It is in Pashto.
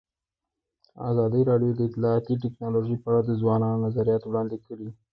ازادي راډیو د اطلاعاتی تکنالوژي په اړه د ځوانانو نظریات وړاندې کړي.